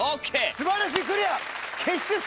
素晴らしいクリア！